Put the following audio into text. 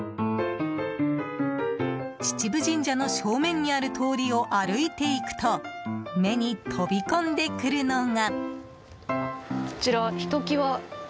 秩父神社の正面にある通りを歩いていくと目に飛び込んでくるのが。